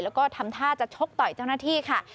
แล้วก็ทำท่าจะชกต่อยเจ้าหน้าที่ค่ะ